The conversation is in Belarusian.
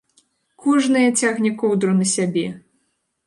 Кожная цягне коўдру на сябе!